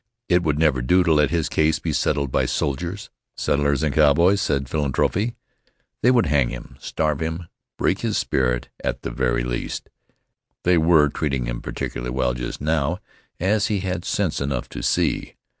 It would never do to let his case be settled by soldiers, settlers and cowboys, said philanthropy. They would hang him, starve him, break his spirit at the very least. (They were treating him particularly well just now, as he had sense enough to see.)